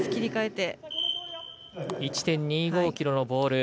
１．２５ｋｇのボール。